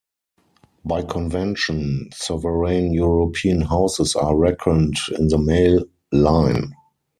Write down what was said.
By convention, sovereign European houses are reckoned in the male line.